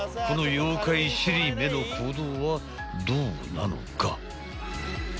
［この妖怪尻目の行動はどうなのか？］